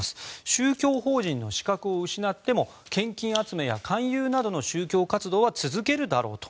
宗教法人の資格を失っても献金集めや勧誘などの宗教活動は続けるだろうと。